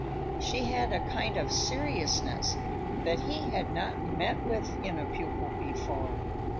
She had a kind of seriousness that he had not met with in a pupil before.